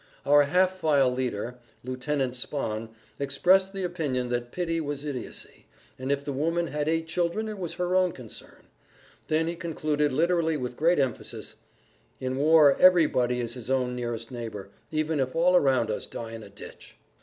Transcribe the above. Our half file leader, Lieutenant Spahn, expressed the opinion that pity was idiocy, and if the woman had eight children it was her own concern. Then he concluded literally with great emphasis, "In war everybody is his own nearest neighbor, even if all around us die in a ditch."